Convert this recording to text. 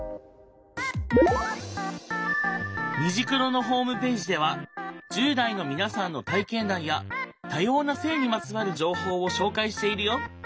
「虹クロ」のホームページでは１０代の皆さんの体験談や多様な性にまつわる情報を紹介しているよ。